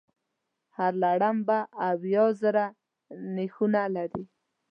هر لړم به اویا زره نېښونه لري.